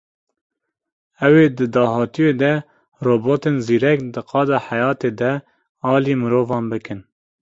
Ew ê di dahatûyê de robotên zîrek di qada heyatê de alî mirovan bikin.